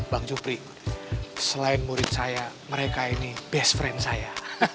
bang jupri selain murid saya mereka ini best friend saya